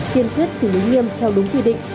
tiên quyết xử lý nghiêm theo đúng quy định